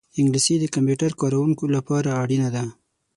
انګلیسي د کمپیوټر کاروونکو لپاره اړینه ده